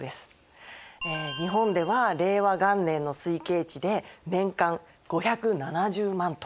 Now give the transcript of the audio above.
日本では令和元年の推計値で年間５７０万ｔ。